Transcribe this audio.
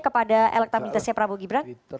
kepada elektabilitasnya prabowo gibran